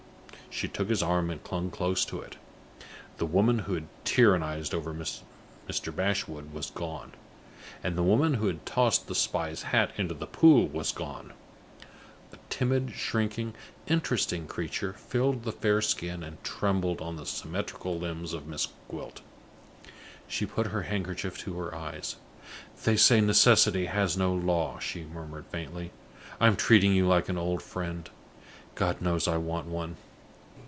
She took his arm and clung close to it. The woman who had tyrannized over Mr. Bashwood was gone, and the woman who had tossed the spy's hat into the pool was gone. A timid, shrinking, interesting creature filled the fair skin and trembled on the symmetrical limbs of Miss Gwilt. She put her handkerchief to her eyes. "They say necessity has no law," she murmured, faintly. "I am treating you like an old friend. God knows I want one!"